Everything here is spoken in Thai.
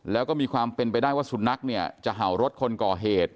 แล้วก็มีความเป็นไปได้ว่าสุนัขเนี่ยจะเห่ารถคนก่อเหตุ